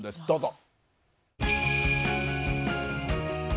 どうぞ。